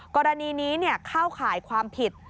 กรณีนี้เข้าข่ายความผิด